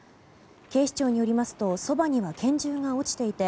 警視庁によりますとそばには拳銃が落ちていて